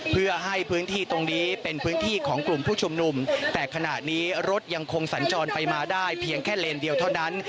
เพื่อให้พื้นที่ตรงนี้เป็นพื้นที่ของกลุ่มผู้ชุมนุมแต่ขณะนี้รถยังคงสัญจรไปมาได้เพียงแค่เลนเดียวเท่านั้น